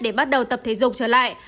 để bắt đầu tập thể dục trở lại